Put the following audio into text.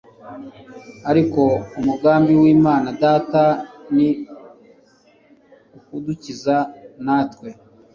Ariko umugambi w’Imana Data ni ukudukiza natwe